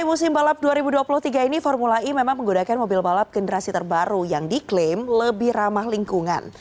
di musim balap dua ribu dua puluh tiga ini formula e memang menggunakan mobil balap generasi terbaru yang diklaim lebih ramah lingkungan